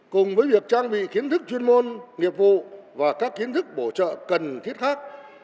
cùng với việc trang bị kiến thức chuyên môn nghiệp vụ và các kiến thức bổ trợ cần thiết khác